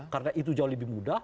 karena itu jauh lebih mudah